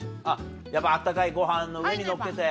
やっぱ温かいご飯の上にのっけて。